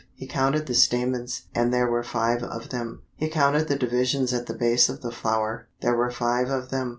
He counted the stamens, and there were five of them. He counted the divisions at the base of the flower, there were five of them.